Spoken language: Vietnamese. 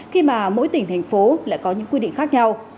khi mà mỗi tỉnh thành phố lại có những quy định khác nhau